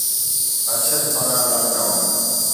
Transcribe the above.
ارشد پاران lock down